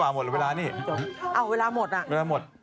พักเพลงร้อยมันอาจจะตายผมหรอจมอยู่อ๋อเวลาหมดอะ